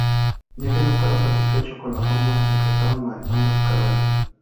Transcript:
Ya que no estaba satisfecho con la forma en que estaban manejando su carrera.